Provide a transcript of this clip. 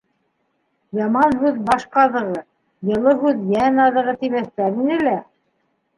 Яман һүҙ - баш ҡаҙығы, йылы һүҙ - йән аҙығы, тимәҫтәр ине лә.